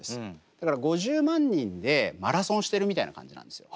だから５０万人でマラソンしてるみたいな感じなんですよ。